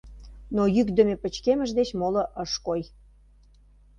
Но йӱкдымӧ пычкемыш деч моло ыш кой.